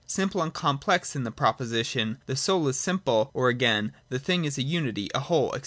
: Simple and Complex, in the propo sition, ' The soul is simple,' — or again, ' The thing is a unity, a whole,' &c.